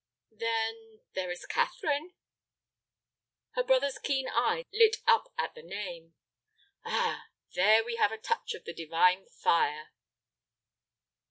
"Then—there is Catherine?" Her brother's keen eyes lit up at the name. "Ah, there we have a touch of the divine fire."